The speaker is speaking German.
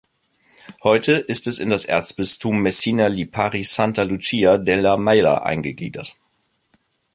Heute ist es in das Erzbistum Messina-Lipari-Santa Lucia del Mela eingegliedert.